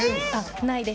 ないです